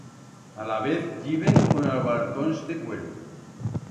Alavez yiben con abarcons de cuero.